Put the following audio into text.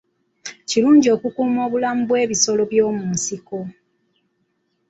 Kirungi okukuuma obulamu bw'ebisolo by'omu nsiko.